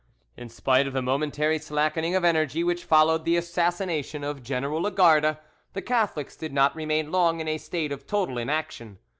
In spite of the momentary slackening of energy which followed the assassination of General Lagarde, the Catholics did not remain long in a state of total inaction.